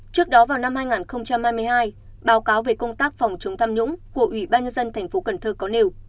trước đó vào năm hai nghìn hai mươi hai báo cáo về công tác phòng chống tham nhũng của ủy ban nhân dân tp cần thơ có nêu